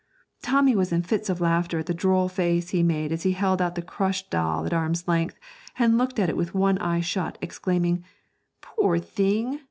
Tommy was in fits of laughter at the droll face he made as he held out the crushed doll at arm's length, and looked at it with one eye shut, exclaiming, 'Poor thing!